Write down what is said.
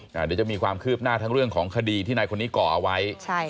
เดี๋ยวจะมีความคืบหน้าทั้งเรื่องของคดีที่นายคนนี้ก่อเอาไว้